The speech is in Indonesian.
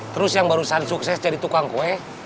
terus yang barusan sukses jadi tukang kue